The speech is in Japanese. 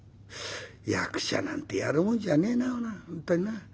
役者なんてやるもんじゃねえな本当にな。